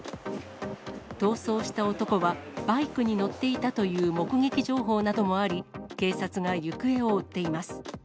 逃走した男は、バイクに乗っていたという目撃情報などもあり、警察が行方を追っています。